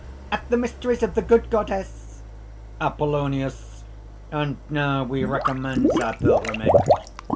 at the mysteries of the good Goddess!" APOLLONIUS. "And now we recommence our pilgrimage.